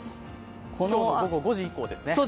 今日の午後５時以降ですね。